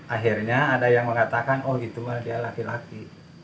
akhirnya ada yang mengatakan oh gitu dia laki laki